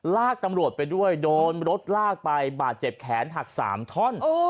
ลากตำรวจไปด้วยโดนรถลากไปบาดเจ็บแขนหัก๓ท่อน